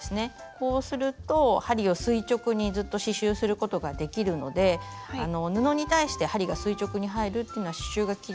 こうすると針を垂直にずっと刺しゅうすることができるので布に対して針が垂直に入るっていうのは刺しゅうがきれいにできる基本なのと